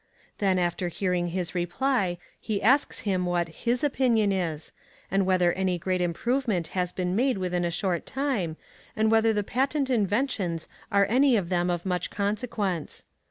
Then, after hearing his reply, he asks him what his opinion is, and whether any great improvement has been made within a short time, and whether the patent inventions are any of them of much consequence.